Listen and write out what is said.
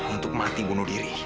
untuk mati bunuh diri